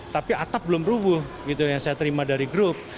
tapi atap belum rubuh gitu yang saya terima dari grup